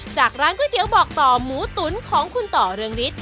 จากร้านก๋วยเตี๋ยวบอกต่อหมูตุ๋นของคุณต่อเรืองฤทธิ